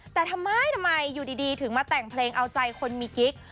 แต่ทำไมทำไมอยู่ดีถึงมาแต่งเพลงเอาใจคนมีกิ๊ก